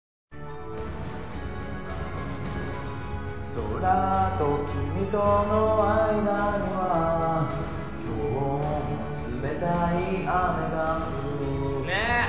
空と君とのあいだには今日も冷たい雨が降るねえ